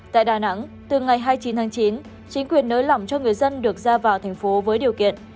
tại đà nẵng từ ngày hai mươi chín tháng chín chính quyền nới lỏng cho người dân được ra vào thành phố với điều kiện